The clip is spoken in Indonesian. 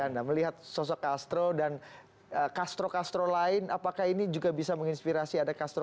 anda melihat sosok castro dan castro castro lain apakah ini juga bisa menginspirasi ada castro